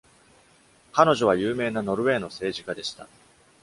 彼女は、有名なノルウェーの政治家でした。